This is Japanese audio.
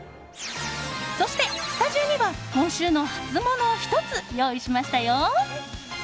そして、スタジオには今週のハツモノを１つ用意しましたよ。